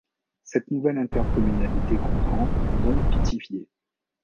Cette nouvelle intercommunalité comprend dont Pithiviers.